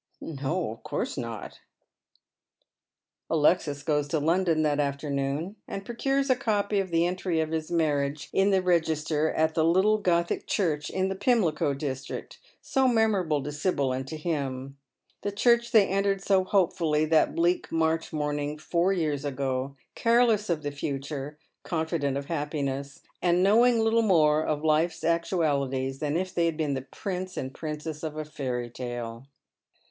" No, of course not." Alexis goes to London that afternoon and procures a copy of the entry of his marriage in the register at the little Gothic church in the Pimlico district, so memorable to Sibyl and to him ; the church they entered so hopefully that bleak March morning, four years ago, careless of the future, confident of happiness, and knowing little more of life's actualities than if they had been the prince and princess of a fairy tale.